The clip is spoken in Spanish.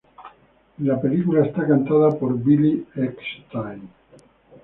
En la película, está cantada por Billy Eckstine.